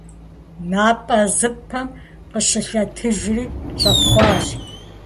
НапӀэзыпӀэм къыщылъэтыжри, щӀэпхъуащ.